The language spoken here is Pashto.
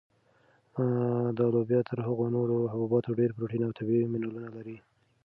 دا لوبیا تر هغو نورو حبوباتو ډېر پروټین او طبیعي منرالونه لري.